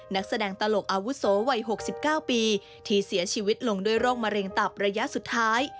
นักแสดงตลกอาวุโสวัย๖๙ปีที่เสียชีวิตลงด้วยโรคมะเร็งตับระยะสุดท้าย